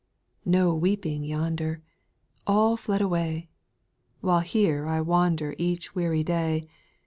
2. No weeping yonder, — All fled away ! AVhile here I wander Each weary day.